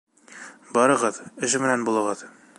— Барығыҙ, эш менән булығыҙ.